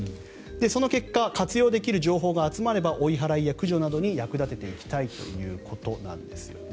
その結果活用できる情報が集まれば追い払いや駆除などに役立てていきたいということなんですね。